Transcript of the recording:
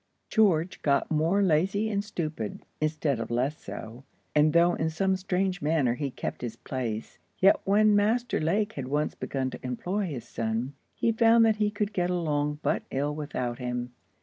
George got more lazy and stupid, instead of less so, and though in some strange manner he kept his place, yet when Master Lake had once begun to employ his son, he found that he would get along but ill without him.